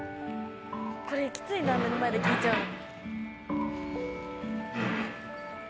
これきついな目の前で聞いちゃうの。